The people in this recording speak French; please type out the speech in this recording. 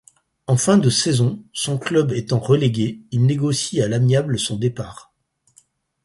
En fin de saison, son club étant relégué, il négocie à l'amiable son départ.